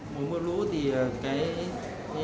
mối mưa lũ thì cái